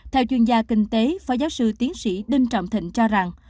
theo chuyên gia kinh tế phó giáo sư tiến sĩ đinh trọng thịnh cho rằng